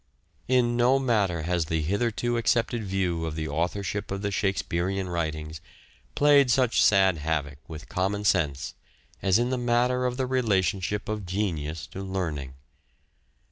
In no matter has the hitherto accepted view of the classical authorship of the Shakespearean writings played such sad havoc with common sense as in the matter of the relationship of genius to learning.